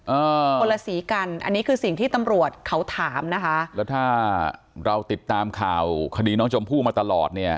คนละสีกันอันนี้คือสิ่งที่ตำรวจเขาถามนะคะแล้วถ้าเราติดตามข่าวคดีน้องชมพู่มาตลอดเนี่ย